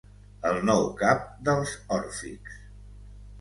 El nou cap dels òrfics.